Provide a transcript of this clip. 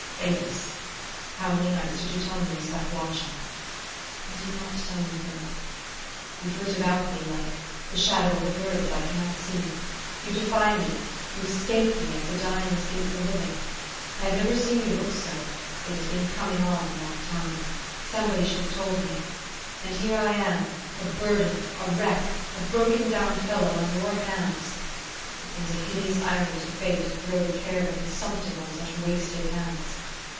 "Avis, how many nights did you tell me you sat watching? "" I did not tell you, Philip." "You flit about me like the shadow of a bird that I cannot see. You defy me, you escape me, as the dying escape the living. I have never seen you look so. It has been coming on a long time. Somebody should have told me. And here I am, a burden, a wreck, a broken down fellow, on yowc hands. It seems a hideous irony in fate to throw the care of a consumptive on such wasted hands.